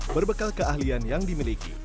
berbekal keahlian yang dimiliki